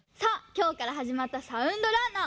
きょうからはじまった「サウンドランナー」！